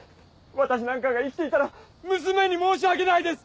私なんかが生きていたら娘に申し訳ないです！